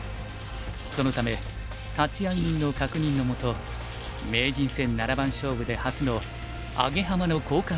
そのため立会人の確認のもと名人戦七番勝負で初のアゲハマの交換が行われた。